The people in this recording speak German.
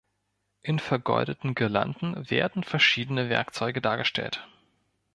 In vergoldeten Girlanden werden verschiedene Werkzeuge dargestellt.